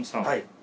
はい。